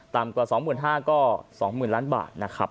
ต่ำกว่า๒๕๐๐๐ก็๒๐๐๐๐บาท